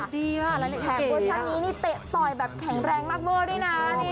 ดีมากเลย